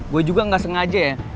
gue juga gak sengaja